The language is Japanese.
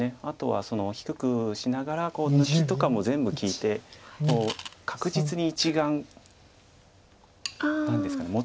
あとは低くしながら抜きとかも全部利いて確実に一眼何ですか。